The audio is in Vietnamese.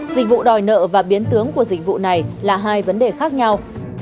dịch vụ đòi nợ và biến tướng của dịch vụ này là hai vấn đề khác nhau